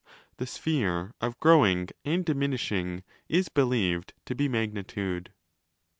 The' sphere' of growing and diminishing is believed to be magnitude.